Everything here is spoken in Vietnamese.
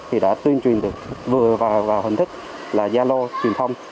thì đã tuyên truyền được vừa vào hình thức là gia lô truyền thông